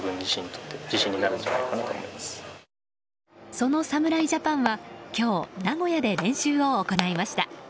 その侍ジャパンは今日、名古屋で練習を行いました。